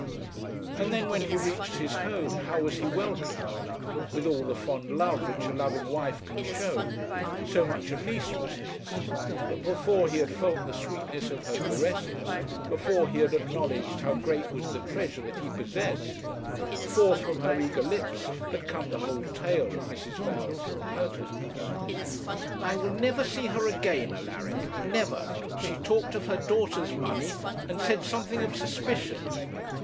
And then, when he reached his home, how was he welcomed? With all the fond love which a loving wife can show; so much at least was his; but before he had felt the sweetness of her caresses, before he had acknowledged how great was the treasure that he possessed, forth from her eager lips had come the whole tale of Mrs. Val's impertinence. 'I will never see her again, Alaric! never; she talked of her daughter's money, and said something of suspicion!'